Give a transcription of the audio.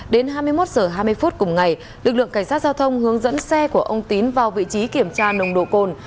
đến hai mươi một h hai mươi phút cùng ngày lực lượng cảnh sát giao thông hướng dẫn xe của ông tín vào vị trí kiểm tra nồng độ cồn